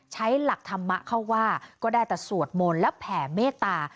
ใช้หลักธรรมะเข้าว่าก็ได้แต่สวดมนต์และแผ่เมตตา